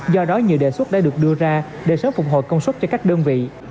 do đó nhiều đề xuất đã được đưa ra để sớm phục hồi công suất cho các đơn vị